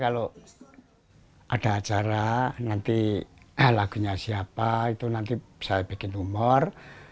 kalau ada acara nanti lagunya siapa itu nanti saya bikin humor